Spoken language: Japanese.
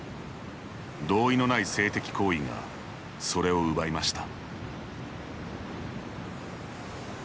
同意のない性的行為がそれを奪いました。